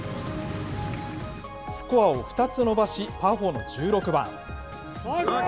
スコアを２つ伸ばし、パーフォーの１６番。